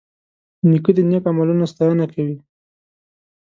نیکه د نیک عملونو ستاینه کوي.